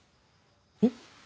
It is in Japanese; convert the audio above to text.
えっ。